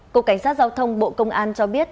cục cảnh sát giao thông bộ công an cho biết